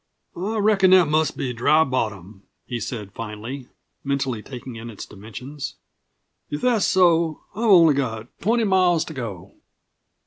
"I reckon that must be Dry Bottom," he said finally, mentally taking in its dimensions. "If that's so, I've only got twenty miles to go."